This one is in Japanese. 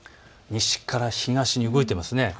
西から東へ動いてますね。